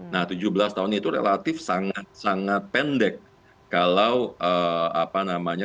nah tujuh belas tahun itu relatif sangat sangat pendek